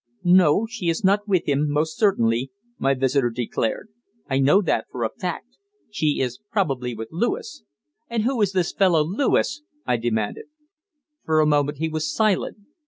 "No, she is not with him, most certainly," my visitor declared. "I know that for a fact. She is probably with Lewis." "And who is this fellow Lewis?" I demanded. For a moment he was silent.